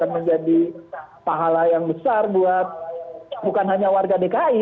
menjadi pahala yang besar buat bukan hanya warga dki